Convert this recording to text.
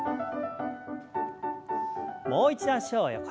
もう一度脚を横に。